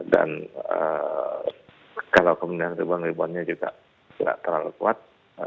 dan kalau kemudian rebound reboundnya juga tidak terlalu kuat